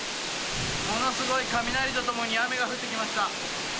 ものすごい雷とともに雨が降ってきました。